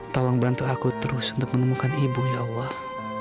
tolong bantu aku terus untuk menemukan ibu ya allah